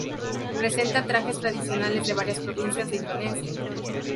Presenta trajes tradicionales de varias provincias de Indonesia.